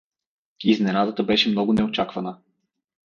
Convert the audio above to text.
Изненадата беше много неочаквана.